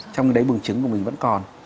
trong đấy bùng trứng của mình vẫn có